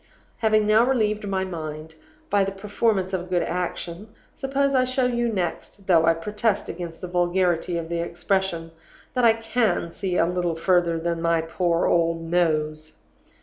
"Having now relieved my mind by the performance of a good action, suppose I show you next (though I protest against the vulgarity of the expression) that I can see a little further than my poor old nose?